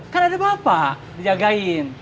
kan ada bapak dijagain